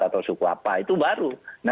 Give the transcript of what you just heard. atau suku apa itu baru